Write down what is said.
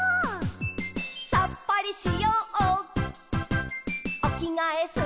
「さっぱりしようおきがえすっきり」